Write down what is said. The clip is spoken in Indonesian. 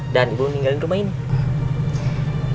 dan ibu meninggalin rumah ini